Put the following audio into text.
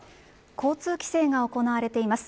交通規制が行われています